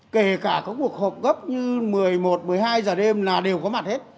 kể cả các cuộc họp gấp như một mươi một một mươi hai giờ đêm là đều có mặt hết